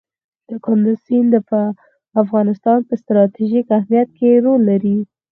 کندز سیند د افغانستان په ستراتیژیک اهمیت کې رول لري.